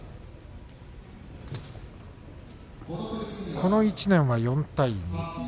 この１年は４対２。